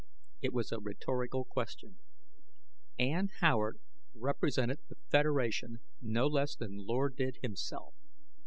It was a rhetorical question. Ann Howard represented the Federation no less than Lord did himself.